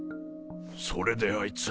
それであいつ。